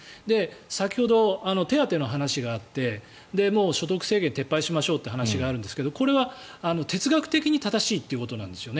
先ほど、手当の話があって所得制限を撤廃しましょうって話があるんですがこれは哲学的に正しいということなんですよね。